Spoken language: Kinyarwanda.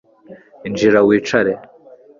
Injira wicare